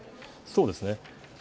そうですね。